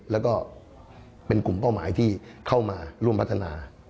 แล้วก็เป็นกลุ่มเป้าหมายที่เข้ามาร่วมพัฒนา